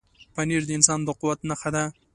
پنېر د انسان د قوت نښه ده.